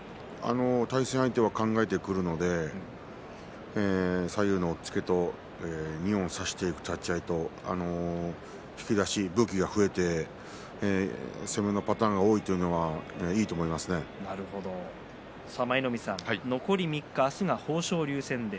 対戦相手は考えてくるので左右の押っつけと二本差していく立ち合いと引き出し、武器が増えて攻めのパターンが多いというのは舞の海さん、残り３日明日が豊昇龍戦です。